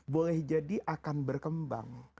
boleh jadi akan berkembang